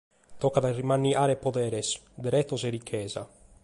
Tocat a ismanniare poderes, deretos e richesa.